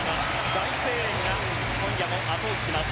大声援が今夜も後押しします。